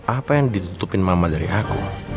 apa yang ditutupin mama dari aku